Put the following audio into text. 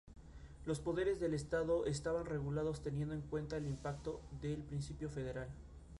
Los poderes del Estado estaban regulados teniendo en cuenta el "impacto" del principio federal.